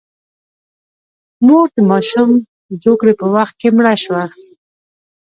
مور د ماشوم زوکړې په وخت کې مړه شوه.